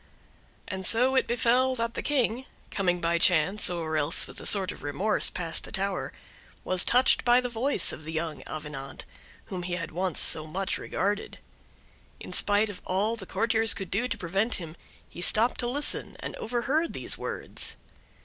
And it so befell that the King, coming by chance, or else with a sort of remorse, past the tower, was touched by the voice of the young Avenant, whom he had once so much regarded. In spite of all the courtiers could do to prevent him, he stopped to listen, and overheard these words.